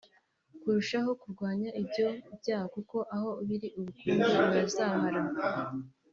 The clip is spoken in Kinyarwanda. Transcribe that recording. kurushaho kurwanya ibyo byaha kuko aho biri ubukungu burazahara